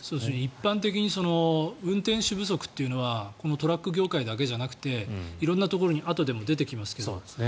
一般的に運転手不足というのはトラック業界だけじゃなくて色んなところにあとでも出てきますけど。